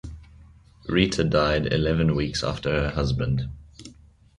Rita died eleven weeks after her husband.